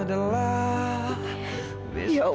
terima kasih kak